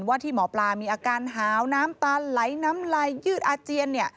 ว่าที่หมอปลามีอาการหาวน้ำตันไหลน้ำไหลยืดอาเจียน